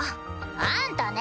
あんたね！